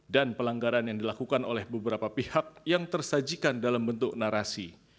dan pelanggaran yang dilakukan oleh beberapa pihak yang tersajikan dalam bentuk narasi